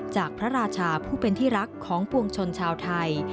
จากพระราชาผู้เป็นที่รักของปวงชนชาวไทย